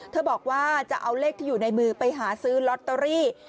บอกว่าจะเอาเลขที่อยู่ในมือไปหาซื้อลอตเตอรี่